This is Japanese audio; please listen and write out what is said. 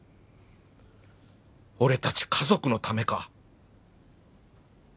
俺達家族のためか？